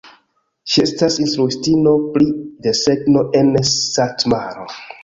Ŝi estas instruistino pri desegno en Satmaro.